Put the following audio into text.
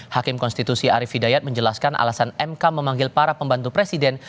hakim konstitusi arief hidayat menjelaskan alasan mk memanggil para pembantu presiden